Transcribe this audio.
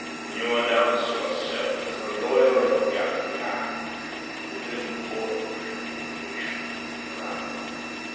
"You announce yourself as a lawyer of Gavrillac with an important communication," he growled.